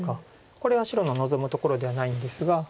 これは白の望むところではないんですが。